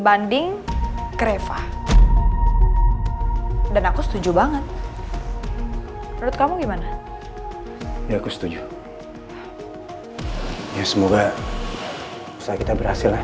banding ke reva dan aku setuju banget rute kamu gimana ya aku setuju semoga kita berhasil ya mas